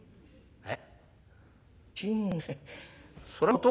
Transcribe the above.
えっ？